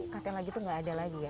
katilagi tuh gak ada lagi ya